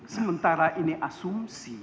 sementara ini asumsi